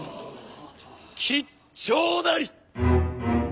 吉兆なり！